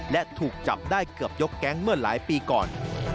และถูกจับได้เกือบยกแก๊งเมื่อหลายปีก่อน